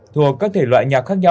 thuộc các thể loại